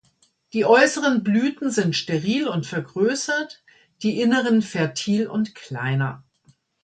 Die äußeren Blüten sind steril und vergrößert, die inneren fertil und kleiner.